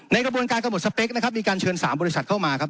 กระบวนการกำหนดสเปคนะครับมีการเชิญ๓บริษัทเข้ามาครับ